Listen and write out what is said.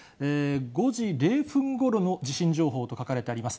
５時０分ごろの地震情報と書かれてあります。